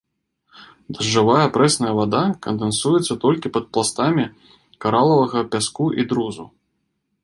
Дажджавая прэсная вада кандэнсуецца толькі пад пластамі каралавага пяску і друзу.